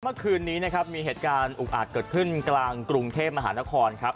เมื่อคืนนี้นะครับมีเหตุการณ์อุกอาจเกิดขึ้นกลางกรุงเทพมหานครครับ